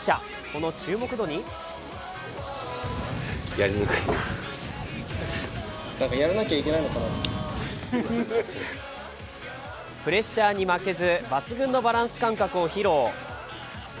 この注目度にプレッシャーに負けず抜群のバランス感覚を披露。